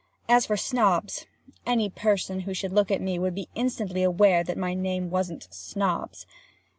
As for Snobbs—any person who should look at me would be instantly aware that my name wasn't Snobbs.